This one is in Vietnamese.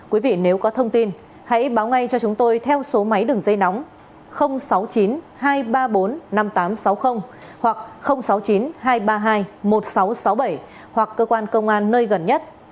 quý vị nếu có thông tin hãy báo ngay cho chúng tôi theo số máy đường dây nóng sáu mươi chín hai trăm ba mươi bốn năm nghìn tám trăm sáu mươi hoặc sáu mươi chín hai trăm ba mươi hai một nghìn sáu trăm sáu mươi bảy hoặc cơ quan công an nơi gần nhất